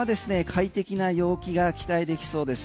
快適な陽気が期待できそうです。